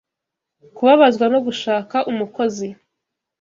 Kubabazwa no Gushaka Umukozi